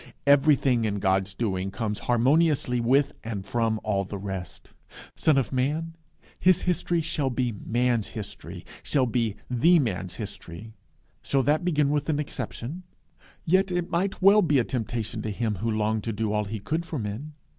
Everything in God's doing comes harmoniously with and from all the rest. Son of Man, his history shall be a man's history, shall be The Man's history. Shall that begin with an exception? Yet it might well be a temptation to Him who longed to do all he could for men.